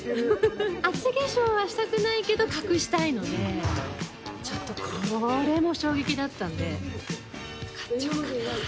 厚化粧はしたくないけど隠したいのでちょっとこれも衝撃だったんで買っちゃおうかな。